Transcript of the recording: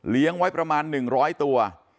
เลี้ยงไว้ประมาณ๑๐๐ตัว